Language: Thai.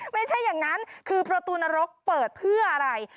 ไม่ใช่อย่างนั้นคือประตูนรกเปิดเพื่ออะไร